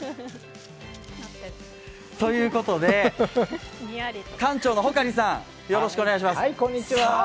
ということで、館長の帆苅さん、よろしくお願いします。